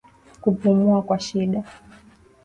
Kupumua kwa shida